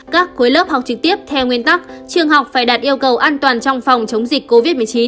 các khối lớp học trực tiếp theo nguyên tắc trường học phải đạt yêu cầu an toàn trong phòng chống dịch covid một mươi chín